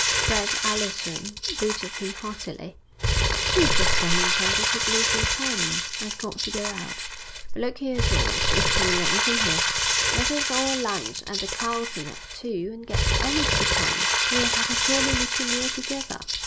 Fred Allerton greeted him heartily. 'You've just come in time to take Lucy home. I've got to go out. But look here, George is coming up, isn't he? Let us all lunch at the Carlton at two, and get Alice to come. We'll have a jolly little meal together.'